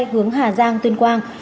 hướng hà giang tuyên quang